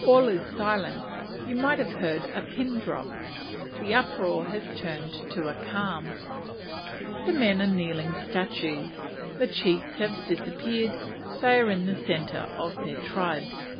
All is silence; you might have heard a pin drop. The uproar has turned to a calm; the men are kneeling statues; the chiefs have disappeared they are in the centre of their tribes.